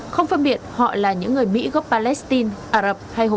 không phân biệt họ là những người mỹ gốc palestine